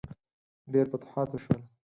ډیر فتوحات وشول.